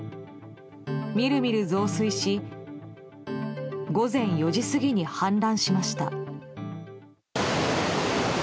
見る見る増水し午前４時過ぎに氾濫しました。